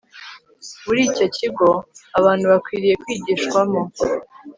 Muri icyo kigo abantu bakwiriye kwigishwamo